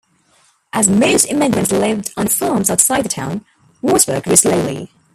As most immigrants lived on farms outside the town, Wartburg grew slowly.